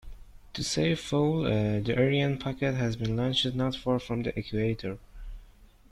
To save fuel, the Ariane rocket has been launched not far from the equator.